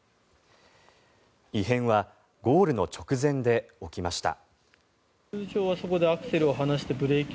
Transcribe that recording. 異変はゴールの直前で起きました。